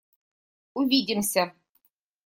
Увидимся!